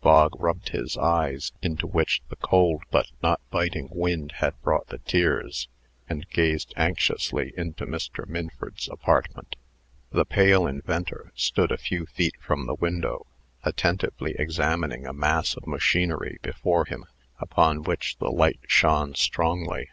Bog rubbed his eyes, into which the cold but not biting wind had brought the tears, and gazed anxiously into Mr. Minford's apartment. The pale inventor stood a few feet from the window, attentively examining a mass of machinery before him, upon which the light shone strongly.